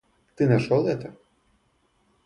Ты нашел это?